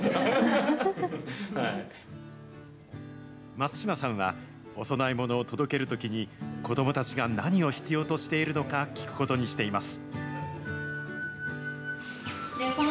松島さんはお供えものを届けるときに、子どもたちが何を必要としているのか、聞くことにしています。